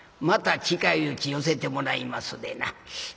また近いうち寄せてもらいますでな」。